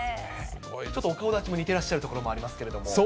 ちょっとお顔立ちも似ていらっしゃるところもありますけれども。